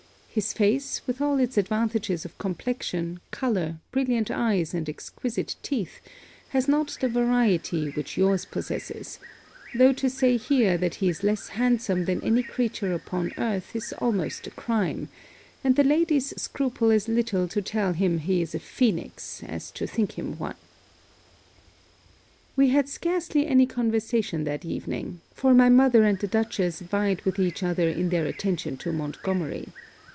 His face, with all its advantages of complexion, colour, brilliant eyes, and exquisite teeth, has not the variety which your's possesses; though to say here that he is less handsome than any creature upon earth is almost a crime, and the ladies scruple as little to tell him he is a Phoenix as to think him one. We had scarcely any conversation that evening; for my mother and the Dutchess vied with each other in their attention to Montgomery.